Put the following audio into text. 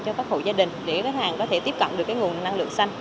cho các hội gia đình để khách hàng có thể tiếp cận được cái nguồn năng lượng xanh